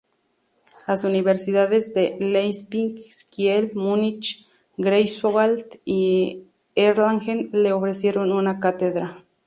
Las universidades de Leipzig, Kiel, Munich, Greifswald y Erlangen le ofrecieron una cátedra.